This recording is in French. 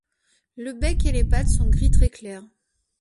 Le bec et les pattes sont gris très clair.